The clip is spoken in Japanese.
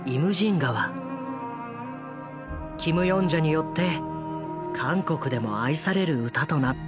キム・ヨンジャによって韓国でも愛される歌となった。